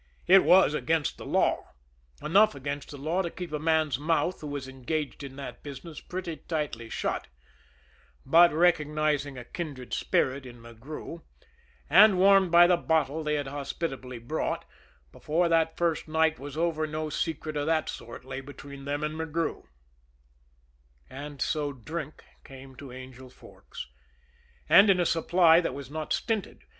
It was against the law enough against the law to keep a man's mouth who was engaged in that business pretty tightly shut but, perhaps recognizing a kindred spirit in McGrew, and warmed by the bottle they had hospitably brought, before that first night was over no secret of that sort lay between them and McGrew. And so drink came to Angel Forks; and in a supply that was not stinted.